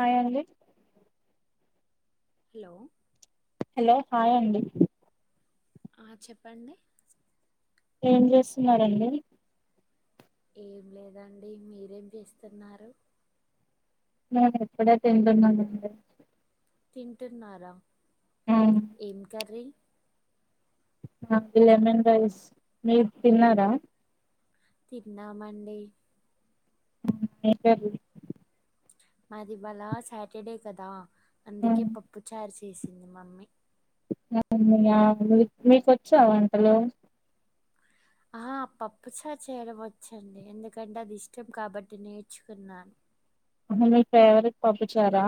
Hi అండి hello hello hi అండి ఆ చెప్పండి ఏం చేస్తున్నారండి ఏం లేదండి మీరేం చేస్తున్నారు నేను ఇప్పుడే తింటున్నానండి. తింటున్నారా ఏం కర్రీ లెమన్ రైస్ మీరు తిన్నారా తిన్నామండి. మీదేం కర్రీ మాది ఇవాళ సాటర్డే కదా అందుకే పప్పు చారు చే చేసింది మమ్మీ అ మీ మ మీకొచ్చా వంటలు ఆ పప్పు చారు చేయడం వచ్చండి ఎందుకంటే అది ఇష్టం కాబట్టి నేర్చుకున్నా. మీ ఫేవరెట్ పప్పు చారా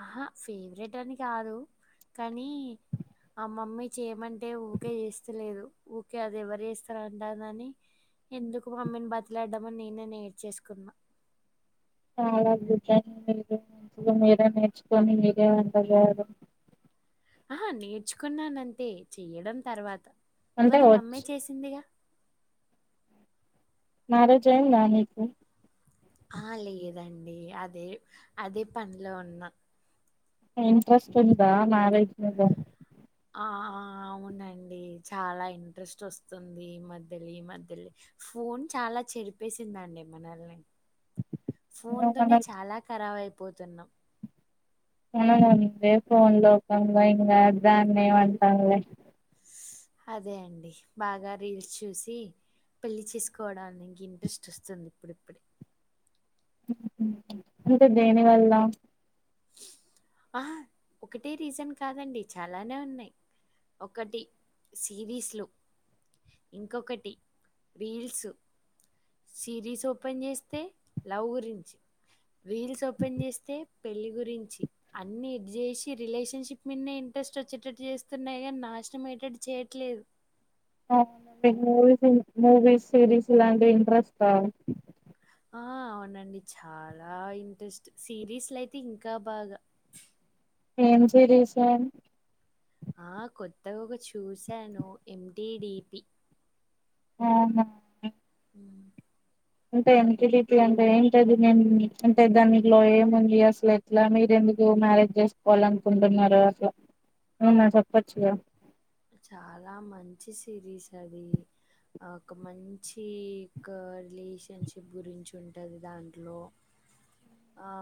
ఆహా ఫేవరెట్ అని కాదు కానీ ఆ మమ్మీ చేయమంటే ఊకే చేస్తలేదు ఊకే అది ఎవరు చేస్తారంటాందని ఎందుకు మమ్మీని బతిలాడ్డమని నేనే నేర్చేసుకున్నా చాలా గుడ్డండి మీరు మీరే నేర్చుకొని మీరే వండగలరు. ఆహా నేర్చుకున్నానంతే చేయడం తర్వాత అంటే ఇవాళ మా అమ్మే వచ్చు చేసిందిగా. మ్యారేజ్ అయ్యిందా నీకు ఆ లేదండి అదే అదే పనిలో ఉన్న ఇంట్రెస్ట్ ఉందా మ్యారేజ్ మీద ఆ ఆ ఆ అవునండి చాలా ఇంట్రెస్ట్ వస్తుంది ఈ మధ్యలో ఈ మధ్యలో ఫోన్ చాలా చెడిపేసిందండి మనల్ని ఫోన్ తోనే మనం చాలా కరాబై వద్దన్నా అవునందే పోన్ లో ఒక అమ్మాయ్ అ దాన్న వంటంలే అదే అండి బాగా రీల్స్ చూసి పెళ్లి చేసుకోవడానికి ఇంట్రెస్ట్ వస్తుంది ఇప్పుడిప్పుడే అంటే దేని వల్ల ఆ ఒకటే రీజన్ కాదండి చాలానే ఉన్నాయి ఒకటి సిరీస్లు ఇంకొకటి రీల్స్ సిరీస్ ఓపెన్ చేస్తే లవ్ గురించి రీల్స్ ఓపెన్ చేస్తే పెళ్లి గురించి అన్ని ఇది చేసి రిలేషన్షిప్ మీద ఇంట్రెస్ట్ వచ్చేటట్టు చేస్తున్నాయి కానీ నాశనం అయ్యేటట్లు చేయట్లేదు నాకు మూవీస్ మూవీస్ సిరీస్ లాంటివి ఇంట్రెస్ట్ రాదు ఆ అవునండి చాలా ఇంట్రెస్ట్ సిరీస్ల అయితే ఇంకా బాగా ఏం సిరీస్ అన్ ఆ కొత్తకొకటి చూశాను ఎంటిడిపి ఆహా అంటే ఎన్టీడిపి అంటే ఏంటది నేను అంటే దానిట్లో ఏముంది అసలు ఎట్లా మీర ఎందుకు మ్యారేజ్ చేసుకోవాల అనుకుంటున్నారు అట్ల ఏమన్నా చెప్పచ్చుగా చాలా మంచి సిరీస్ అది ఒక మంచి క రిలేషన్ షిప్ గురించి ఉంటుంది దాంట్లో ఆ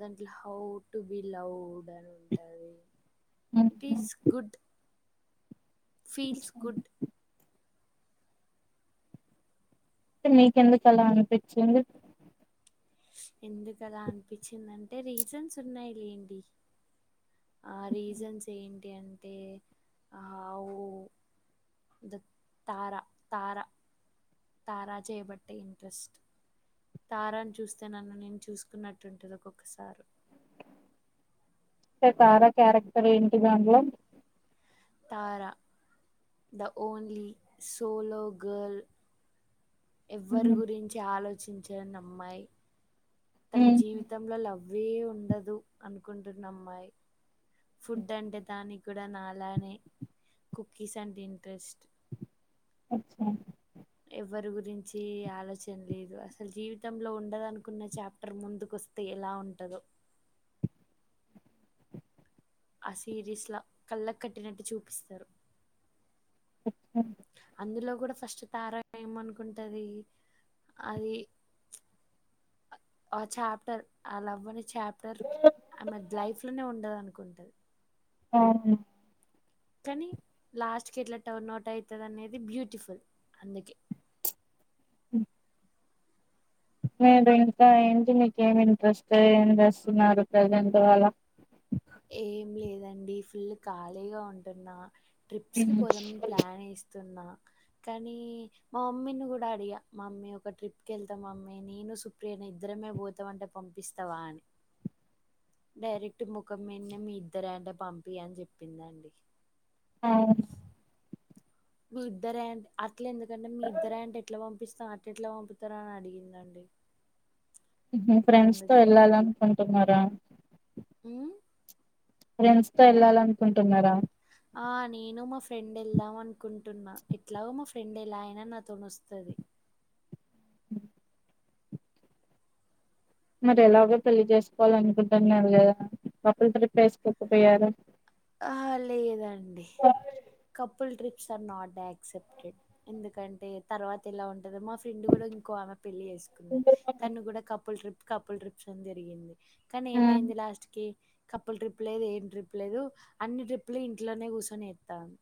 దాంట్లో హౌ టు బి లవ్డ్ అని ఉంటుంది ఇట్ ఉహు. ఈస్ గుడ్ ఫీల్స్ గుడ్ అంటే మీకెందుకు అలా అనిపిచ్చింది ఎందుకలా అనిపించిందంటే రీజన్స్ ఉన్నాయి లేండి ఆ రీజన్స్ ఏంటి అంటే ఆ ఉ ద తారా తారా తారా చేయబట్టే ఇంట్రెస్ట్ తారాని చూస్తే నన్ను నేను చూసుకున్నట్టుంటుంది ఒక్కొక్కసారు అంటే తారా క్యారెక్టర్ ఏంటి దాంట్లో Tara the only solo girl ఎవ్వరి గురించి ఆలోచిం చ్చనమ్మాయి తన జీవితంలో లవ్ అవే ఉండదు అనుకుంటున్నామ్మాయి ఫుడ్ అంటే దానికి కూడా నలానే కుకీస్ అంటే ఇంట్రెస్ట్ అచ్చా ఎవరి గురించి ఆలోచన లేదు అసలు జీవితంలో ఉండదునుకున్న చాప్టర్ ముందుకొస్తే ఎలా ఉంటదో ఆ సిరీస్ ల కళ్ళకు కట్టినట్టు చూపిస్తారు అచ్చా అందులో కూడా ఫస్ట్ తార ఏమనుకుంటది అది ఆ చాప్టర్ ఆ లవని చాప్టర్ ఆమె లైఫ్ లోనే ఉండదను గుంటది ఆ కానీ లాస్ట్ కి ఇట్ల టర్న్ అవుట్ అవుతుంది అనేది బ్యూటిఫుల్ అందుకే ఉ మీరు ఇంకా ఏంటి మీకేమి ఇంట్రెస్ట్ ఏం చేస్తున్నారు ప్రజెంట్ ఇవాళ ఏం లేదండి ఫుల్ ఖాళీగా ఉంటున్నా ట్రిప్స్ కి ఫ్రెండ్స్ పోదామని ప్లాన్ ఎస్ తున్న కానీ మా మమ్మీని కూడా అడిగా మా మమ్మీ ఒక ట్రిప్ క వెళ్తా మమ్మీ నేను సుప్రియను ఇద్దరమే పోతామంటే పంపిస్తావా అని డైరెక్ట్ మొ మొకమీన్నే మీ ఇద్దరు అంటే పంపియ అని చెప్పిందండి అవును మీ ఇద్దర ఏంటి అట్ల ఎందుకంటే మీ ఇద్దర ఏ అంటే ఎట్లా పంపిస్తా అట్ ఎట్లా పంపుతార అని అడిగిందండి ఫ్రెండ్స్ తో అందుకే ఎల్లాలనుకుంట తిన్నార అ ఫ్రెండ్స్ తో వెళ్ళాలనుకుంటున్నారా ఆ! నేను మా ఫ్రెండ్ ఎళ్దాం అన్ అనుకుంటున్నా ఎట్లాగో మా ఫ్రెండ్ ఎలా అయినా నా తోనోస్తది మరి ఎలాగో పెళ్లి చేసుకోవాలి అనుకుంటున్నారు కదా లోకల్ ట్రిప్ వేసుకోకపోయార? ఆ లేదండి కపుల్ ట్రిప్ నాట్ ఆక్సెప్టెడ్ ఎందుకంటే తర్వాత ఎలా ఉ మా ఫ్రెండ్ కూడా ఇంకో ఆమె పెళ్లి చేసుకుంది తను ఉమ్, కూడా కపుల్ ట్రిప్ కపుల్ ట్రిప్స్ అని జరిగింది కానీ ఏమైంది లాస్ట్ కి కపుల్ ట్రిప్ లేదు ఏం ట్రిప్ లేదు అన్ని ట్రిప్ లు ఇంట్లోనే కూర్చొని ఏత్తాను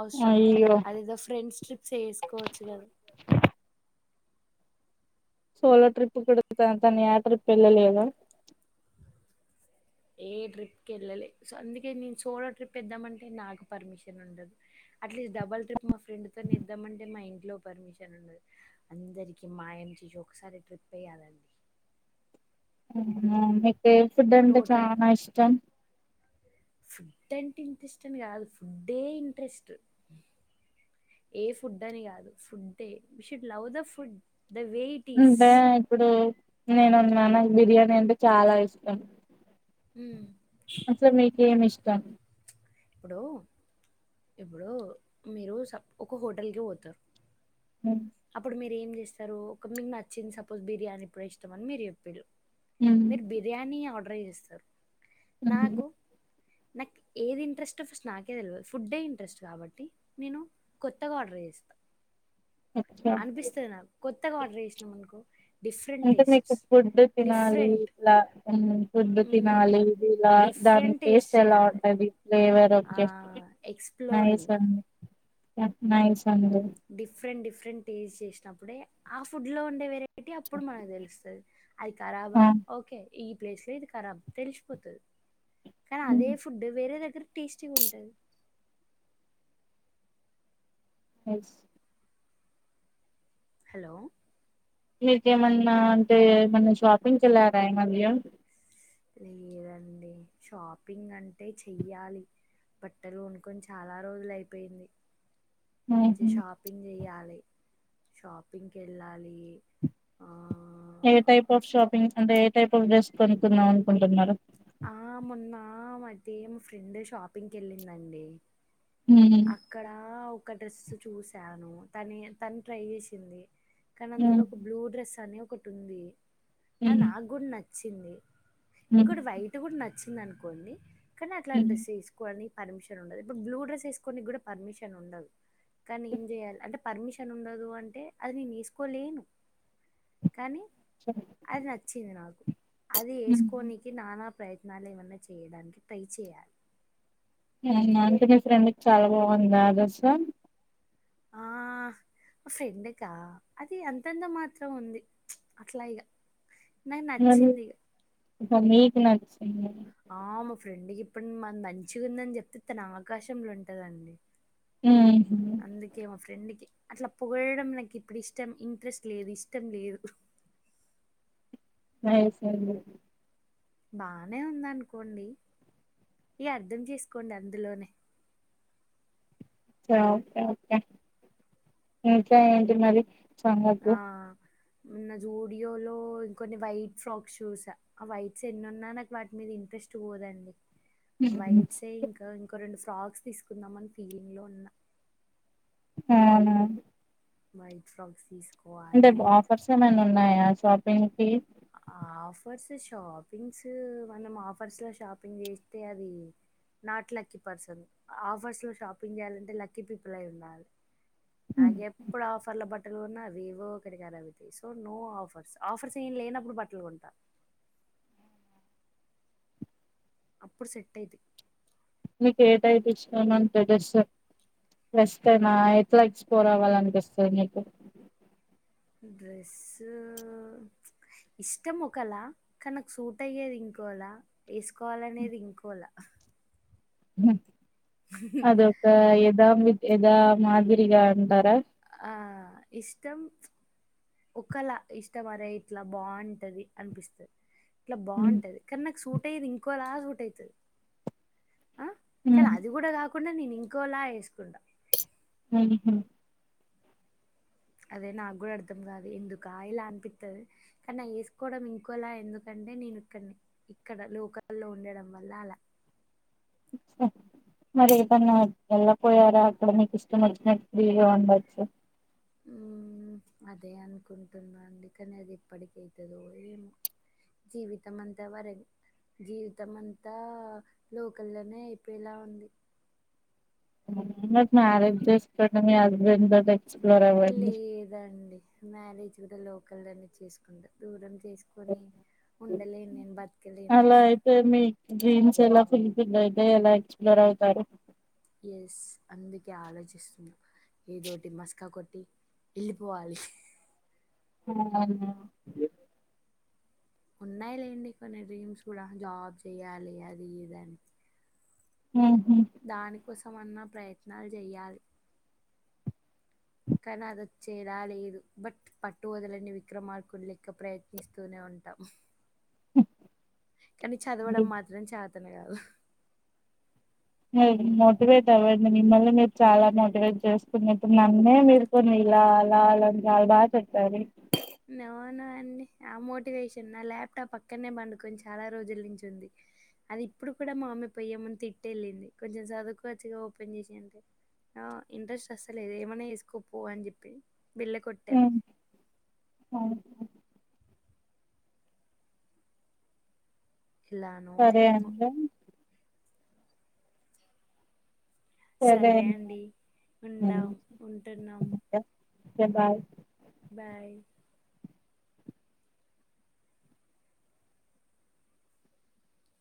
అవసరమా అయ్యో అదేదో ఫ్రెండ్స్ ట్రిప్స్ వేసుకోవచ్చు కదా సోలో ట్రిప్ కూడా తను తను యా ట్రిప్ వెళ్ళలేదు ఏ ట్రిప్కి వెళ్ళలే సో అందుకే నేను సోలో ట్రిప్ ఏద్దామంటే నాకు పర్మిషన్ ఉండదు. అట్లీస్ట్ డబల్ ట్రిప్ మా ఫ్రెండ్తో ఏద్దామంటే మా ఇంట్లో పర్మిషన్ ఉండదు. అందరికీ మాయం చేసి ఒకసారి ట్రిప్ వేయాలండి. బడే ఫుడ్ అంట టోటల్ చానాా ఇష్టం ఫుడ్ అంటే ఇంట్రెస్ట్ అని కాదు, ఫుడ్డే ఇంట్రెస్ట్. ఏ ఫుడ్ అని కాదు ఫుడ్డే we should love the food. The way it is. అంటే ఇప్పుడు నేను ఉన్నాను బిర్యానీ అంటే చాలా ఇష్టం హ్మ్. అసలు మీకేమిష్ తను ఇప్పుడు ఇప్పుడు మీరు స ఒక హోటల్కి పోతరు అప్పుడు మీ రు ఏం చేస్తారు ఓకె మీకు నచ్చింది సపోజ్ బిర్యానీ ఇప్పుడె ఇష్టమని మీరు చెప్పిండ్రు హ్మ్ మీరు బిర్యానీ ఆ ట్రై చేస్తారు హ్మ్. నాకు నాకు ఏది ఇంట్రెస్ట్ స్ట్ ఆఫ్ నాకే తెల్వదు ఫుడ్డే ఇంట్రెస్ట్ కాబట్టి నేను కొత్తగా ఆర్డర్ చేస్తా అచ్చా! అనిపిస్తది నాకు కొత్తగా ఆర్డర్ చేసినాం అనుకో డిఫరెంట్ అంటే మీకు టేస్ట్స్ ఫుడ్ తినాలి డిఫరెంట్ ఇలా ఫుడ్ తినాలి ఇది ఇలా దాని డిఫరెంట్ టేస్ట్ ఎలా చేయాలి ఉంటది ఫవర్ ఓకె నైస్ ఎక్స్ప్లోరింగ్ అండి లుక్ నైస్ అండి. డిఫరెంట్ డిఫరెంట్ టేస్ట్ చేసి అప్పుడే ఆ ఫుడ్ లో ఉండే వేరె ఏటి అప్పుడు మనకు తెలుస్తది అది ఖరాబా ఆ! ఓకే ఈ ప్లేసే ఇది కరాబ్ తెలిసిపోతది కాని అదే హ్మ్. ఫుడ్ వేరే త్ర్ టేస్టీగుంటాది ఎస్ హలో మీకేమన్నా అంటే ఏమన్న షాపింగ్ కెళ్ళారా ఈ మధ్య లేదండి షాపింగ్ అంటే చెయ్యాలి బట్టలు కొనుకొని చాలా రోజులు అయిపోయింది మంచి హుహు. షాపింగ్ చేయాలి షాపింగ్కేళ్ళాలి ఆ ఏ టైప్ ఆఫ్ షాపింగ్ అంటే ఏ టైప్ ఆఫ్ డ్రెస్ కొనుక్కుందం అనుకుంటున్నారు ఆ మొన్న మదీమ్ ఫ్రెండ్ షాపింగ్ కెళ్ళిందండి హ్మ్. అక్కడా ఒక డ్రెస్ చూసాను తని తను ట్రై చేసింది కానీ అందులో హ్మ్. ఒక బ్లూ డ్రెస్ అని ఒకటి ఉంది అ హ్మ్. నాగూడ నచ్ చ్చింది హ్మ్. ఇంకోటి వైట్ కూడా న నచ్చిందనుకోండి కాని అట్లాంటి హ్మ్. డ్రెస్ తీసుకోవాలని పర్మిషన్ ఉండదు ఇప్పుడు బ్లూడ్రెస్ వేస్ కొనికి కూడా పర్మిషన్ ఉండదు కానీ ఏం చేయాలి అంటే పర్మిషన్ ఉండదు అంటే అది నేను వేసుకోలేను కానీ అచ్చా! అది నచ్చింది నాకు అది హుహు. వేసుకోనికి నానా ప్రయత్నాలు ఏమన్నా చేయడానికి ట్రై చేయాలి అంటే నీ ఫ్రెండ్కి చాలా బాగుంది ఆ డ్రేస్స్ ఆ ఫ్రెండ్కా అది అంతంత మాత్రం ఉంది అట్లా ఇగ నాకు నచ్చింది ఇగ [unintelligible] చేయ్య ఆ మా ఫ్రెండ్కి ఇప్పుడు మం మంచిగా ఉందని చెప్తే తన ఆకాశంంలో ఉంటదండి ఉహు అందుకే మా ఫ్రెండ్కి అట్లా పొగడడం నాకు ఇప్పుడు ఇష్టం ఇంట్రెస్ట్ లేదు ఇష్టం లేదు [unintelligible] బానే ఉందనుకోండి ఇగ అర్థం చేసుకోండి అందులోనే ఆ ఓకే ఓకే ఇంకా ఏంటి మరి చంగాకు ఆ మొన్న జూడియో లో ఇంకొన్ని వైట్స్ షాక్స్ చూసా, ఆ వైట్స్ ఎన్ని ఉన్నా నాకు వాటి మీద ఇంట్రెస్ట్ పోదండి. వైట్స్ యే ఇంకా ఇంక రెండు సాక్స్ తీసుకుందాం అని ఫీలింగ్లో ఉన్న హా అవునా వైట్ సాక్స్ తీస్ అంటే బాఫర్స్ ఏమైనా ఉన్నాయా షాపింగ్కి ఆఫర్స్ షాపింగ్స్ మనం ఆఫర్స్ లో షాపింగ్ చేస్తే అది నాట్ లక్కీ పర్సన్. ఆఫర్స్ లో షాపింగ్ చేయాలంటే లక్కీ పీపుల్ అయి ఉండాలి. నాగేప్పుడు ఆఫర్ల బట్టలు ఉన్నా అవి ఏవో ఒకక్కడికి అవుతాయి. సో నో ఆఫర్స్ ఆఫర్స్ ఏం లేనపు ఇప్పుడు బట్టలు కొంటా అప్పుడు సెట్ అయితె నీకు ఏ టైప్ ఇష్టం అంటే తెస్త వెస్ట్రెనా ఎట్లా ఎక్స్పోర్ అవ్వాలనిపిస్తది నీకు డ్రెస్సు ఇష్టం ఒకలా కాన్ నాకు సూట్ అయ్యేది ఇంకోలా వేసుకోవాలనేది ఇంకోలా ఉమ్ అదొక ఏదామి ఏదా మాదిరిగా అంటారా ఆ ఇష్టం [unintelligible] ఒకలా ఇష్టం అరే ఇట్లా బావుంటది అనిపిస్తది ఇట్లా హ్మ్ బావుంటది కానీ నాకు సూట్ అయ్యేది ఇంకోలాగ్ అయితది ఆ కానీ హ్మ్ అది కూడా కాకుండా నేనిం ఇంకోలా యేసుకుంటా ఉహుం అదే నాకు కూడా అర్థం కాదు ఎందుక ఇలా అనిపిత్తది. కానీ వేసుకోవడం ఇంకోలా ఎందుకంటే నేను ఇక్కడ ఇక్కడ లోకల్లో ఉండడం వల్ల అలా ఉమ్ మరి ఏదన్నా వెళ్ళక పోయారా, అక్కడ మీకు ఇష్టం వచ్చినట్టు ఫ్రీగా ఉండొచ్చు. ఉమ్ అదే అనుకుంటున్నాండి. కానీ అది ఎప్పటికవుతుందో ఏమో జీవితం అంతా వర జీవితం అంతా లోకల్లోనే అయిపోయేలా ఉంది. మరి మ్యారేజ్ ఇస్ మీ హస్బెండ్ బగ లే దండి మ్యారేజ్ కూడా లోకలోనే చేసుకుంటా దూరం చేసుకొని ఉండలేను నేను బతికలేను అలా అయితే మీ డ్రీమ్స్ ఎలా ఫుల్ ఫిల్ అయితాయ్ ఎలా ఎక్స్ప్లోర్ అవుతారు ఎస్ అందుకే ఆలోచిస్తున్నా ఏదోటి మస్కా కొట్టి ఎళ్ళిపోవాలి [unintelligible] అవునా ఉన్నాయిలేండి కొన్ని డ్రీమ్స్ కూడా జాబ్ చెయాలి అది ఇదని ఉహు దానికోసం అన్న ప్రయత్నాలు చేయాలి కానీ అదొచ్చేలా లేదు. బట్ పట్టు వదలని విక్రమార్కుని లెక్క ప్రయత్నిస్తూనే ఉంటాం. [unintelligible] కానీ చదవడం మాత్రం చాద్ తోనికాదు [unintelligible] ఉమ్ మోటివేట్ అవ్వండి. మిమ్మల్ని మీరు చాలా మోటివేట్ చేసుకున్నట్టు నన్నే మీరు కొన్ని ఇలా అలా అలాని చాలా బాగా చెప్పారు. నో నో అండి ఆ మోటివేషన్ నా ల్యాప్టాప్ పక్కనే పండుకొని చాలా రోజుల నుంచి ఉంది అది ఇప్పుడు కూడా మా అమ్మీ పయ్య ముందు తిట్టే వెళ్ళింది కొంచెం సదువుకోవచ్చగా ఓపెన్ చేసి అంటే నో ఇంట్రెస్ట్ అసలేదు ఏమైనా వేసుకోపో అని చెప్పి బిళ్ళకొట్టెవ్ అవును ఇలానో సరే ఏమో అండి సరే అండి ఉందాం ఉంటున్నాం సబా బాయ్